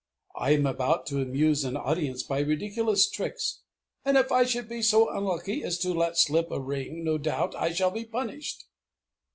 I am about to amuse an audience by ridiculous tricks; and if I should be so unlucky as to let slip a ring, no doubt I shall be punished!